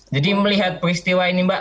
jadi melihat peristiwa ini mbak